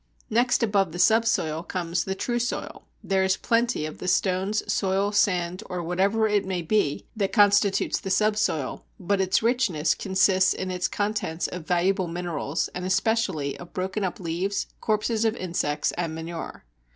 Next above the subsoil comes the true soil; there is plenty of the stones, soil, sand, or whatever it may be that constitutes the subsoil, but its richness consists in its contents of valuable minerals, and especially of broken up leaves, corpses of insects, and manure.